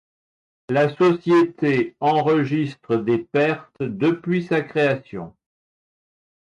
La société enregistre des pertes depuis sa création.